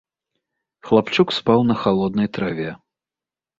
Хлапчук спаў на халоднай траве.